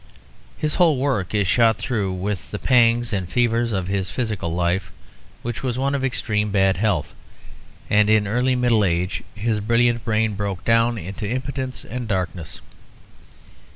His whole work is shot through with the pangs and fevers of his physical life, which was one of extreme bad health; and in early middle age his brilliant brain broke down into impotence and darkness.